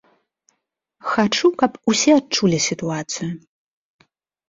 Хачу, каб усе адчулі сітуацыю.